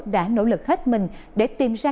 đã nỗ lực hết mình để tìm ra